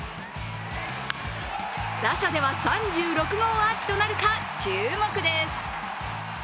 打者では３６号アーチとなるか注目です。